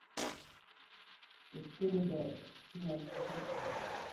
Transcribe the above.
Okuodo janyodh ji.